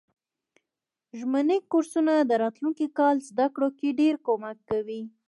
ژمني کورسونه د راتلونکي کال زده کړو کی ډیر کومک کوي.